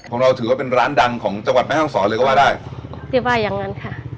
ของเราถือว่าเป็นร้านดังของจังหวัดแม่ห้องศรเลยก็ว่าได้ที่ว่าอย่างงั้นค่ะ